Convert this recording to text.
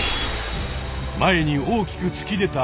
前に大きくつき出たあし。